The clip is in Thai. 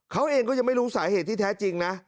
เขาเองก็ยังไม่รู้สาเหตุที่แท้จริงนะ